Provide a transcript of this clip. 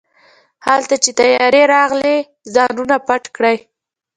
هلته چې طيارې راغلې ځانونه پټ کړئ.